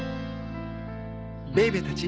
ベイベーたち